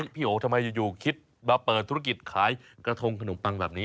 โอทำไมอยู่คิดมาเปิดธุรกิจขายกระทงขนมปังแบบนี้